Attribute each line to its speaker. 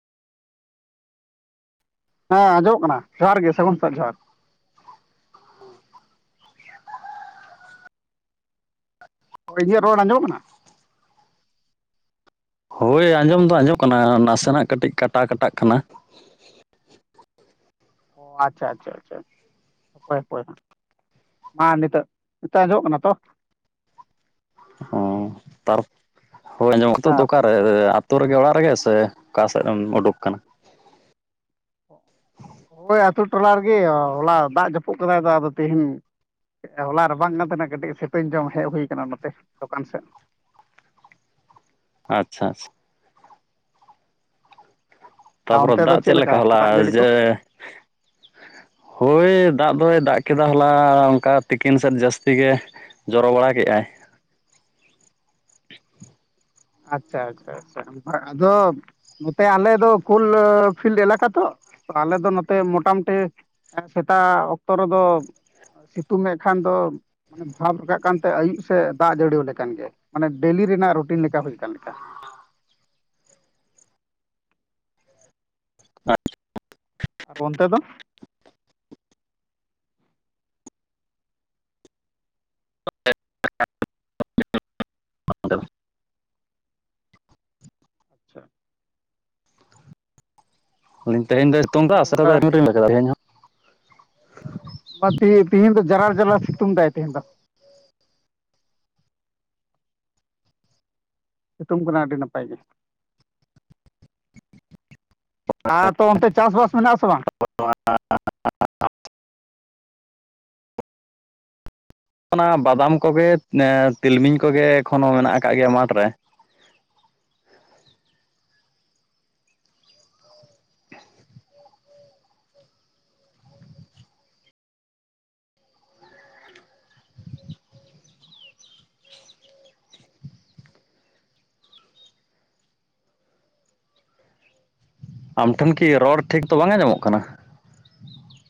Speaker 1: ᱦᱮᱸ ᱟᱸᱡᱚᱢᱚᱜ ᱠᱟᱱᱟ? ᱡᱚᱦᱟᱨ ᱜᱮ ᱥᱟᱹᱜᱩᱱ ᱥᱮᱛᱟᱜ ᱡᱚᱦᱟᱨ ᱾ ᱦᱳᱭ ᱤᱧᱟᱹᱜ ᱨᱚᱲ ᱟᱸᱡᱚᱢ ᱠᱟᱱᱟ?
Speaker 2: ᱦᱳᱭ ᱟᱸᱡᱚᱢ ᱫᱚ ᱟᱸᱡᱚᱢ ᱠᱟᱱᱟ ᱱᱟᱥᱮᱱᱟᱜ ᱠᱟᱹᱴᱤᱡ ᱠᱟᱴᱟ ᱠᱟᱴᱟᱜ ᱠᱟᱱᱟ ᱾
Speaker 1: ᱚ ᱟᱪᱪᱷᱟ, ᱟᱪᱪᱷᱟ, ᱟᱪᱪᱷᱟ ᱾ ᱦᱟᱯᱳᱭ, ᱦᱟᱯᱳᱭ ᱦᱟᱸᱜ, ᱢᱟ ᱱᱤᱛᱚᱜ ᱟᱸᱡᱚᱢᱚᱜ ᱠᱟᱱᱟ ᱛᱚ ᱾
Speaker 2: ᱚ ᱛᱟᱨ ᱦᱳᱭ ᱟᱸᱡᱚᱢᱚᱜ ᱱᱤᱛᱚᱜ ᱫᱚ
Speaker 1: ᱦᱮᱸ
Speaker 2: ᱚᱠᱟ ᱟᱛᱳ ᱨᱮᱜᱮ ᱚᱲᱟᱜ ᱨᱮᱜᱮ ᱥᱮ ᱚᱠᱟ ᱥᱮᱜ ᱮᱢ ᱩᱰᱩᱠ ᱠᱟᱱᱟ?
Speaker 1: ᱳᱭ ᱟᱛᱳ ᱴᱚᱞᱟ ᱨᱮᱜᱮ ᱦᱚᱞᱟ ᱫᱟᱜ ᱡᱟᱹᱯᱩᱫ ᱠᱟᱫᱟᱭ ᱫᱚ ᱟᱫᱚ ᱛᱤᱦᱤᱧ ᱦᱚᱞᱟ ᱨᱟᱵᱟᱝ ᱠᱟᱱ ᱛᱟᱦᱮᱱᱟ ᱠᱟᱹᱴᱤᱡ ᱥᱮᱛᱩᱧ ᱡᱚᱢ ᱦᱮᱡ ᱦᱩᱭ ᱟᱠᱟᱱᱟ, ᱱᱚᱛᱮ ᱫᱚᱠᱟᱱ ᱥᱮᱜ ᱾
Speaker 2: ᱟᱪᱪᱷᱟ, ᱟᱪᱪᱷᱟ ᱾
Speaker 1: ᱟᱨ
Speaker 2: ᱛᱟᱯᱚᱨᱮ
Speaker 1: ᱚᱱᱛᱮ ᱫᱚ
Speaker 2: ᱫᱟᱜ
Speaker 1: ᱪᱮᱫ ᱞᱮᱠᱟ
Speaker 2: ᱦᱚᱞᱟ
Speaker 1: ᱫᱟᱜ ᱡᱟᱹᱲᱤ ᱠᱚ?
Speaker 2: ᱡᱮ ᱦᱳᱭ ᱫᱟᱜ ᱫᱚᱭ ᱫᱟᱜ ᱠᱮᱫᱟ, ᱦᱚᱞᱟ ᱚᱱᱠᱟ ᱛᱤᱠᱤᱱ ᱥᱮᱫ ᱡᱟᱹᱥᱛᱤ ᱜᱮ ᱾ ᱡᱚᱨᱚ ᱵᱟᱲᱟ ᱠᱮᱜ-ᱟᱭ ᱾
Speaker 1: ᱟᱪᱪᱷᱟ, ᱟᱪᱪᱷᱟ, ᱟᱪᱪᱷᱟ᱾ ᱟᱫᱚ ᱱᱚᱛᱮ ᱟᱞᱮ ᱫᱚ ᱠᱳᱩᱞ ᱯᱷᱤᱞᱰ ᱮᱞᱟᱠᱟ ᱛᱚ, ᱟᱞᱮ ᱫᱚ ᱱᱚᱛᱮ ᱢᱚᱴᱟᱢᱩᱴᱤ ᱥᱮᱛᱟᱜ ᱚᱠᱛᱚ ᱨᱮᱫᱚ ᱥᱤᱛᱩᱝ ᱮᱫ ᱠᱷᱟᱱ ᱫᱚ ᱵᱷᱟᱵᱽ ᱨᱟᱠᱟᱵ ᱠᱟᱱᱛᱮ ᱟᱹᱭᱩᱵ ᱥᱮᱫ ᱫᱟᱜ ᱡᱟᱹᱲᱤᱭᱟᱹ ᱟᱞᱮᱠᱟᱱ ᱜᱮᱭᱟ, ᱢᱟᱱᱮ ᱰᱮᱞᱤ ᱨᱮᱱᱟᱜ ᱨᱩᱴᱤᱱ ᱞᱮᱠᱟ ᱦᱩᱭ ᱟᱠᱟᱱ ᱞᱮᱠᱟ ᱾
Speaker 2: [inaudible]
Speaker 1: ᱟᱨ ᱚᱱᱛᱮ ᱫᱚ
Speaker 2: [unintelligible]
Speaker 1: ᱟᱪᱪᱷᱟ
Speaker 2: ᱛᱮᱦᱮᱧ ᱫᱚ ᱥᱤᱛᱩᱝ ᱫᱟ ᱥᱮ
Speaker 1: ᱟᱨ
Speaker 2: [unintelligible]
Speaker 1: ᱵᱟ ᱛᱤᱦᱤᱱ ᱛᱤᱦᱤᱱ ᱫᱚ ᱡᱟᱨᱟᱞ ᱡᱟᱨᱟᱞ ᱥᱤᱛᱩᱝ ᱫᱟᱭ ᱛᱤᱦᱤᱱ ᱫᱚ ᱾ ᱥᱤᱛᱩᱝ ᱠᱟᱱᱟ ᱟᱹᱰᱤ ᱱᱟᱯᱟᱭ ᱜᱮ ᱾ ᱟ ᱯᱮ ᱚᱱᱛᱮ ᱪᱟᱥᱵᱟᱥ ᱢᱮᱱᱟᱜ ᱟ ᱥᱮ ᱵᱟᱝ ᱾
Speaker 2: [unintelligible] ᱚᱱᱟ ᱵᱟᱫᱟᱢ ᱠᱚᱜᱮ ᱛᱤᱞᱢᱤᱧ ᱠᱚᱜᱮ ᱮᱠᱷᱚᱱᱳ ᱢᱮᱱᱟᱜ ᱟᱠᱟᱫ ᱜᱮᱭᱟ ᱢᱟᱴᱷ ᱨᱮ ᱾ ᱟᱢ ᱴᱷᱮᱱ ᱠᱤ ᱨᱚᱲ ᱴᱷᱤᱠ ᱫᱚ ᱵᱟᱝ ᱟᱸᱡᱚᱢᱚᱜ ᱠᱟᱱᱟ ᱾